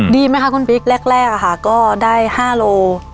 ดีไหมคะคุณพริกแรกแรกอ่ะค่ะก็ได้ห้าโล